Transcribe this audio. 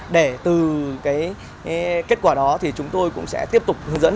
để từ kết quả đó thì chúng tôi cũng sẽ tiếp tục hướng dẫn